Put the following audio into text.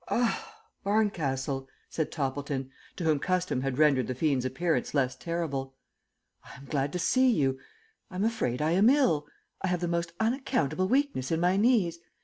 "Ah, Barncastle," said Toppleton, to whom custom had rendered the fiend's appearance less terrible. "I am glad to see you. I'm afraid I am ill. I have the most unaccountable weakness in my knees.